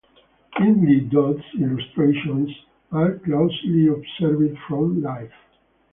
Lynley Dodd's illustrations are closely observed from life.